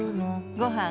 ごはん